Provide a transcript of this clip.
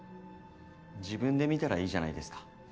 自分で見たらいいじゃないですか。